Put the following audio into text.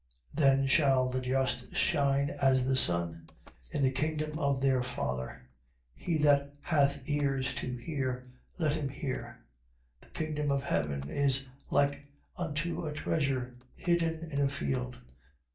13:43. Then shall the just shine as the sun, in the kingdom of their Father. He that hath ears to hear, let him hear. 13:44. The kingdom of heaven is like unto a treasure hidden in a field.